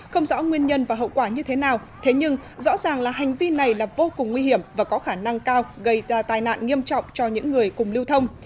không rõ nguyên nhân và hậu quả như thế nào thế nhưng rõ ràng là hành vi này là vô cùng nguy hiểm và có khả năng cao gây ra tai nạn nghiêm trọng cho những người cùng lưu thông